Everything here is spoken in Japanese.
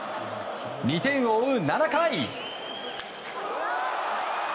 ２点を追う７回。